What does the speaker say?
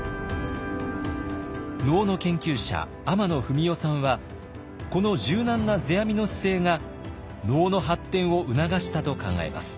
能の研究者天野文雄さんはこの柔軟な世阿弥の姿勢が能の発展を促したと考えます。